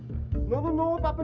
itu dia tuh si michael